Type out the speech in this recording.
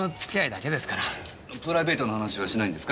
プライベートな話はしないんですか？